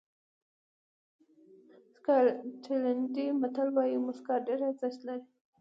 سکاټلېنډي متل وایي موسکا ډېره ارزښت لري.